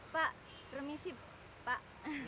pak permisi pak